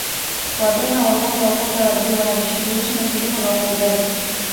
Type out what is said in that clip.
Wabena wa upande wa ukanda wa juu wanajishughulisha na kilimo na ufugaji